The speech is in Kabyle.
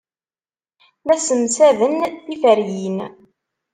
La ssemsaden tiferyin.